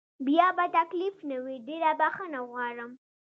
بیا به تکلیف نه وي، ډېره بخښنه غواړم.